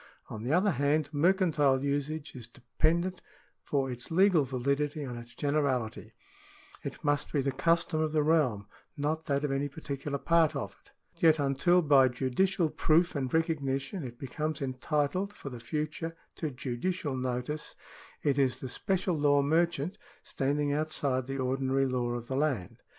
On the other hand, mercantile usage is dependent for its legal validity on its generality ; it must be the custom of the realm, not that of any particular part of it ; yet until, by judicial prooi and recognition, it becomes entitled for the future to judicial notice, it is the special law merchant, standing outside the ordinary law of the land.